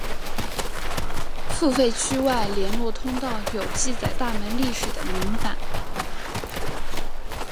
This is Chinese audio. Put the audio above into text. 付费区外联络通道有记载大门历史的铭版。